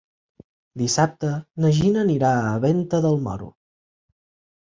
Dissabte na Gina anirà a Venta del Moro.